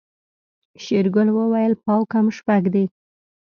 شېرګل وويل پاو کم شپږ دي.